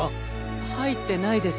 はいってないです。